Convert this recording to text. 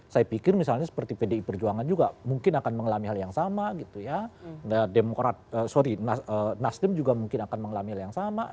saya pikir misalnya seperti pdi perjuangan juga mungkin akan mengalami hal yang sama gitu ya